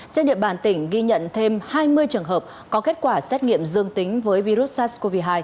trên địa bàn tỉnh ghi nhận thêm hai mươi trường hợp có kết quả xét nghiệm dương tính với virus sars cov hai